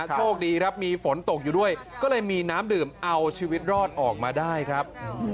โชคดีครับมีฝนตกอยู่ด้วยก็เลยมีน้ำดื่มเอาชีวิตรอดออกมาได้ครับ